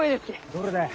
どれだよ？